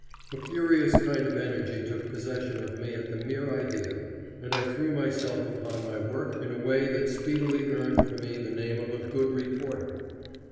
A furious kind of energy took possession of me at the mere idea, and I threw myself upon my work in a way that speedily earned for me the name of a good reporter.